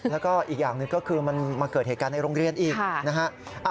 แล้วก็อีกอย่างหนึ่งก็คือมันมาเกิดเหตุการณ์ในโรงเรียนอีกนะฮะ